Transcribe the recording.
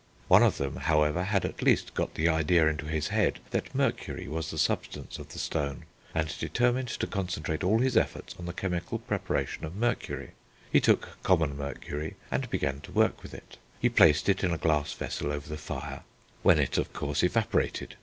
One of them, however, had at least got the idea into his head that Mercury was the substance of the Stone, and determined to concentrate all his efforts on the chemical preparation of Mercury.... He took common Mercury and began to work with it. He placed it in a glass vessel over the fire, when it, of course, evaporated.